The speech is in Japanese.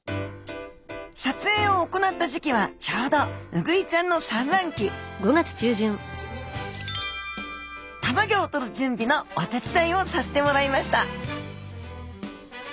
撮影を行った時期はちょうどウグイちゃんの産卵期卵をとる準備のお手伝いをさせてもらいました